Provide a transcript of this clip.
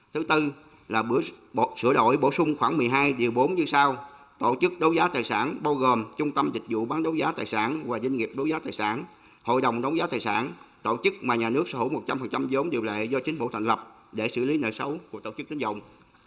thứ tư là sửa đổi bổ sung khoảng một mươi hai điều bốn như sau tổ chức đấu giá tài sản bao gồm trung tâm dịch vụ bán đấu giá tài sản và doanh nghiệp đấu giá tài sản hội đồng đấu giá tài sản tổ chức mà nhà nước sở hữu một trăm linh giống điều lệ do chính phủ thành lập để xử lý nợ xấu của tổ chức tính dụng